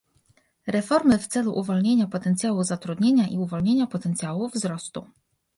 reformy w celu uwolnienia potencjału zatrudnienia i uwolnienia potencjału wzrostu